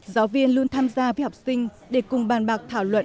giáo viên luôn tham gia với học sinh để cùng bàn bạc thảo luận